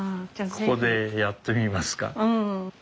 ここでやってみますか？